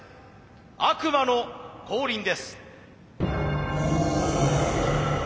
悪魔の降臨です。